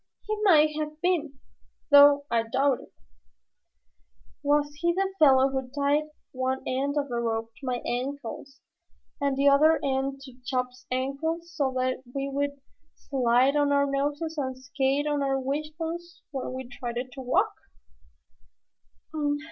"He may have been, though I doubt it." "Was he the fellow who tied one end of the rope to my ankles and the other end to Chops's ankles so that we would slide on our noses and skate on our wishbones when we tried to walk?"